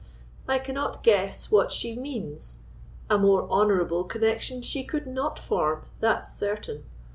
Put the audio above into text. I cannot guess what she means. A more honourable connexion she could not form, that's certain.